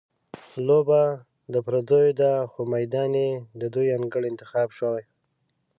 لوبه د پردیو ده، خو میدان یې د دوی انګړ انتخاب شوی.